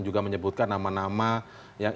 juga menyebutkan nama nama yang